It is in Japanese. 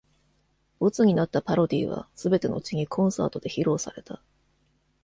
ボツになったパロディは全て後にコンサートで披露された。